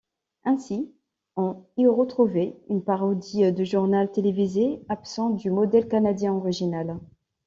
Ainsi on y retrouvait une parodie de journal télévisé absente du modèle canadien original.